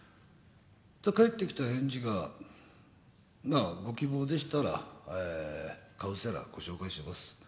返ってきた返事が、ご希望でしたらカウンセラーをご紹介します。